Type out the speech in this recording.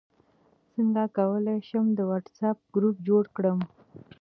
څنګه کولی شم د واټساپ ګروپ جوړ کړم